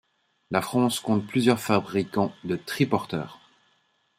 La France compte plusieurs fabricants de triporteurs.